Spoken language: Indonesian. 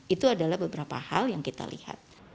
itu adalah beberapa hal yang kita lihat